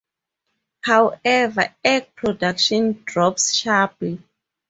However, egg production drops sharply.